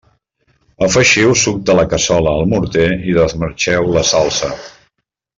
Afegiu suc de la cassola al morter i desmarxeu la salsa.